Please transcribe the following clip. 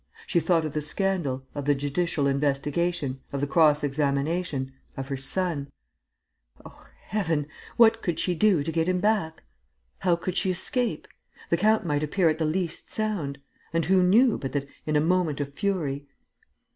She thought of the scandal, of the judicial investigation, of the cross examination, of her son. O Heaven! What could she do to get him back? How could she escape? The count might appear at the least sound. And who knew but that, in a moment of fury